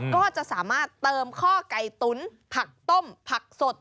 ก็จะสามารถเติมข้อไก่ตุ๋นผักต้มผักสด